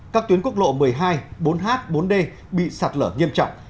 các tuyến quốc lộ một mươi hai bốn h bốn d bị sạt lở nghiêm trọng